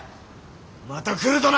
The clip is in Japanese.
また来るとな。